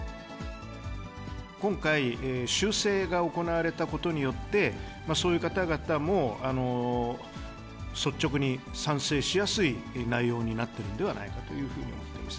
今回、修正が行われたことによって、そういう方々も率直に賛成しやすい内容になってるんではないかというふうに思っています。